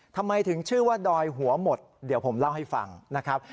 ทำไมถึงชื่อว่าดอยหัวหมดเดี๋ยวผมเล่าให้ฟังนะครับ